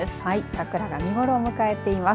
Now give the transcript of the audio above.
桜が見頃を迎えています。